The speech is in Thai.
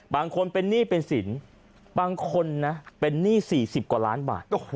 บางคนเป็นหนี้เป็นสินบางคนนะเป็นหนี้๔๐กว่าล้านบาท